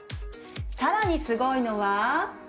さらにすごいのは。